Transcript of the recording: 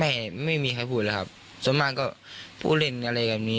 ไม่มีใครพูดแล้วครับส่วนมากก็พูดเล่นอะไรแบบนี้